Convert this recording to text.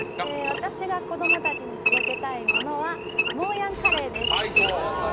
私が、子ども達に届けたいものは、もうやんカレーです。